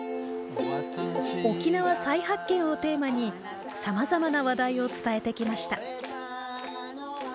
沖縄再発見をテーマにさまざまな話題を伝えてきました。